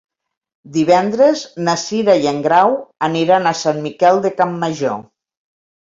Divendres na Cira i en Grau aniran a Sant Miquel de Campmajor.